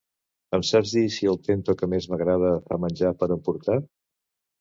Em saps dir si el Tento que més m'agrada fa menjar per emportar?